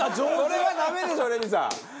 それはダメでしょレミさん！